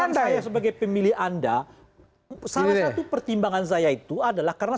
pertanyaan saya sebagai pemilih anda salah satu pertimbangan saya itu adalah karena